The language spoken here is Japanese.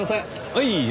はい。